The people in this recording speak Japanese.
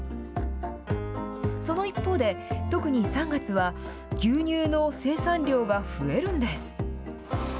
その一方で、特に３月は牛乳の生産量が増えるんです。